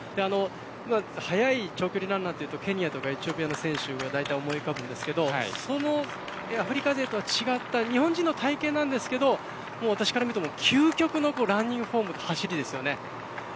早い長距離ランナーというとケニアやエチオピアの選手が大体思い浮かびますがそのアフリカ勢とは違った日本人の体型ですが私から見ても究極のランニングフォーム走りです。